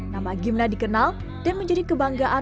nama gimna dikenal dan menjadi kebanggaan